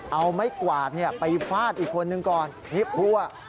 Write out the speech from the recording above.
เอาไม้กวาดไปฟาดอีกคนนึงก่อนที่พัว